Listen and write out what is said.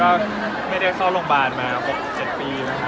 แล้วก็ไม่ได้เข้าโรงบาลมา๖๗ปีนะคะ